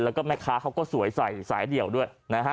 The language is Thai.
แล้วก็แม่ค้าเขาก็สวยใส่ซ้ายดียวด้วย